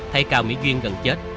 thay cào mỹ duyên gần chết